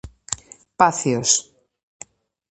Pacios.